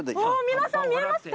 皆さん見えますか？